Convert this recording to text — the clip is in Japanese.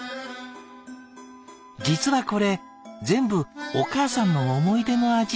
実はこれ全部お母さんの思い出の味。